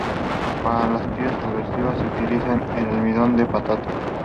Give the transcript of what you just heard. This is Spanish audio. Para la las tiras adhesivas se utilizaba el almidón de patata.